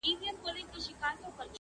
مه یې را کوه د هضمېدلو توان یې نلرم.